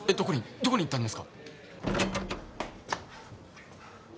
どこに行ったんですか？